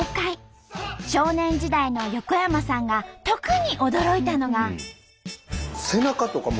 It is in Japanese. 少年時代の横山さんが特に驚いたのが。